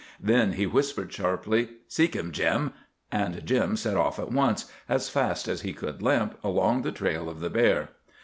Then he whispered, sharply, "Seek him, Jim." And Jim set off at once, as fast as he could limp, along the trail of the bear.